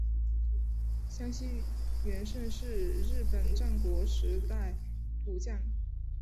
香西元盛是日本战国时代武将。